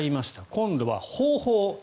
今度は方法。